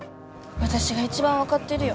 私が一番分かってるよ